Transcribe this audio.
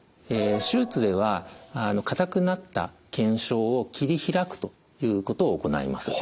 手術では硬くなった腱鞘を切り開くということを行います。